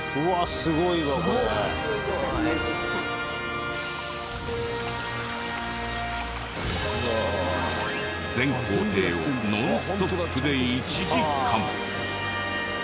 すごい！全工程をノンストップで１時間。